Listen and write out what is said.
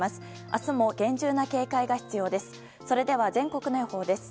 明日も厳重な警戒が必要です。